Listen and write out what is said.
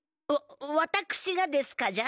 わたくしがですかじゃ？